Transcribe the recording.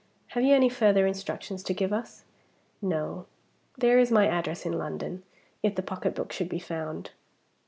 Have you any further instructions to give us?" "No. There is my address in London, if the pocketbook should be found."